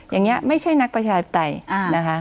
อย่างนี้ไม่ใช่นักประชาธิปไตยนะคะ